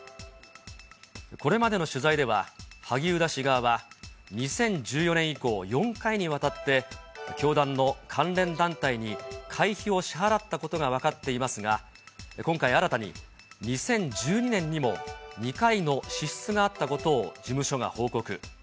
これまでの取材では、萩生田氏側は、２０１４年以降、４回にわたって、教団の関連団体に会費を支払ったことが分かっていますが、今回、新たに２０１２年にも２回の支出があったことを事務所が報告。